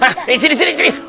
hah sini sini sini